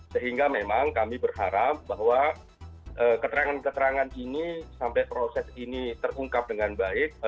sehingga memang kami berharap bahwa keterangan keterangan ini sampai proses ini terungkap dengan baik